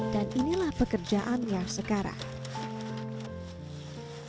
dan inilah pekerjaan yang sekarang